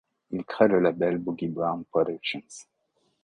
Il crée le label Boogie Brown Productions.